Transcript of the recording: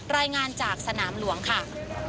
รายงานจากสนามหลวงค่ะ